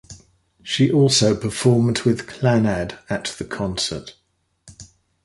She also performed with Clannad at the concert.